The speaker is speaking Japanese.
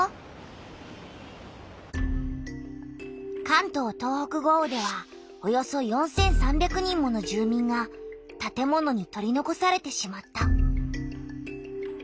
関東・東北豪雨ではおよそ４３００人もの住みんがたて物に取りのこされてしまった。